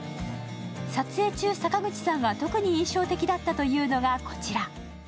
撮影中、坂口さんが特に印象的だったというのがこちら。